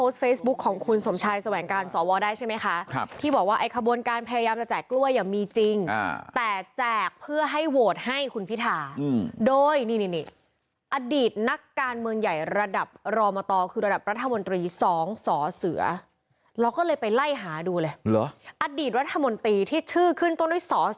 ดูเลยอดีตรัฐมนตรีที่ชื่อขึ้นตรงนี้สเสี่ยง